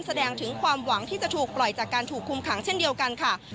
แสดงถึงความหวังที่จะถูกปล่อยจากการถูกคุมขังเช่นเดียวกันค่ะ